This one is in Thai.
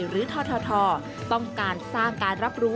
ททต้องการสร้างการรับรู้